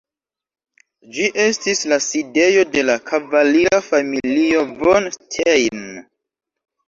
Ĝi estis la sidejo de la kavalira familio von Stein.